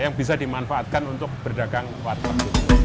yang bisa dimanfaatkan untuk berdagang warteg